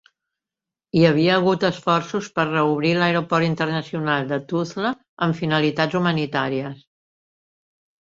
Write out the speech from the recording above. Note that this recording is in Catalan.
Hi havia hagut esforços per reobrir l'Aeroport Internacional de Tuzla amb finalitats humanitàries.